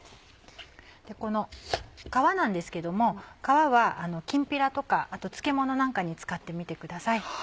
この皮なんですけども皮はきんぴらとか漬物なんかに使ってみてください。